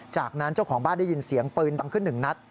จากนั้นเจ้าของบ้านได้ยินเสียงปืนดังขึ้นหนึ่งนัด